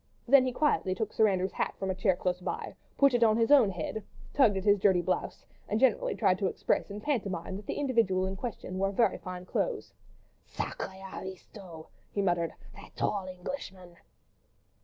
Then he quietly took Sir Andrew's hat from a chair close by, put it on his own head, tugged at his dirty blouse, and generally tried to express in pantomime that the individual in question wore very fine clothes. "Sacrré aristo!" he muttered, "that tall Englishman!"